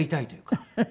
フフフフ。